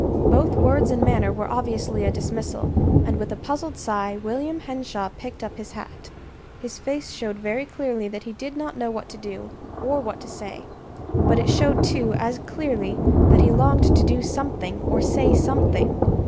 Both words and manner were obviously a dismissal; and with a puzzled sigh William Henshaw picked up his hat. His face showed very clearly that he did not know what to do, or what to say; but it showed, too, as clearly, that he longed to do something, or say something.